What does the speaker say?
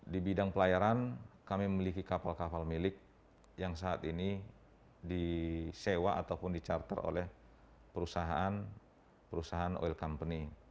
di bidang pelayaran kami memiliki kapal kapal milik yang saat ini disewa ataupun di charter oleh perusahaan oil company